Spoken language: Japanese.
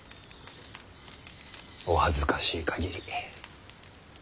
お恥ずかしい限り。